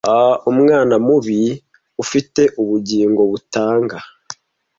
Umwana mubi ufite ubugingo butanga